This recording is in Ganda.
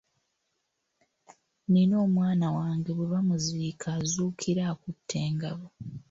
Nnina omwana wange bwe bamuziika azuukira akutte engabo.